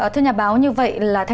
thưa nhà báo như vậy là